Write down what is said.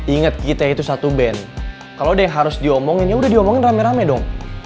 ingat kita itu satu band kalau udah harus diomongin ya udah diomongin rame rame dong